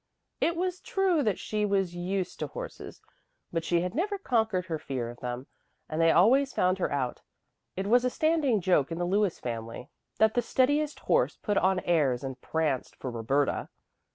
It was true that she was used to horses, but she had never conquered her fear of them, and they always found her out. It was a standing joke in the Lewis family that the steadiest horse put on airs and pranced for Roberta.